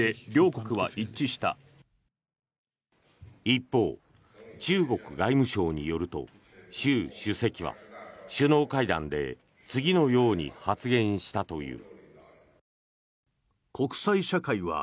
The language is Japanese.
一方、中国外務省によると習主席は首脳会談で次のように発言したという。